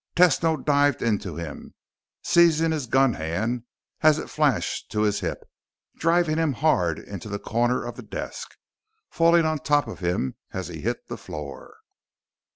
Tesno dived into him, seizing his gun hand as it flashed to his hip, driving him hard into a corner of the desk, falling on top of him as he hit the floor.